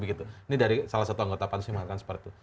ini dari salah satu anggota pansus yang mengatakan seperti itu